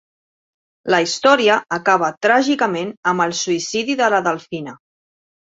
La història acaba tràgicament amb el suïcidi de la Delfina.